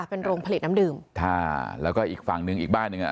เป็นโรงผลิตน้ำดื่มค่ะแล้วก็อีกฝั่งหนึ่งอีกบ้านหนึ่งอ่ะ